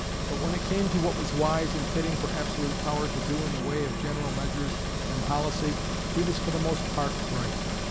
But when it came to what was wise and fitting for absolute power to do in the way of general measures and policy, he was for the most part right.